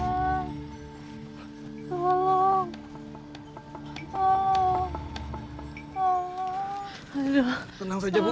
ibu akan siapkan kubuk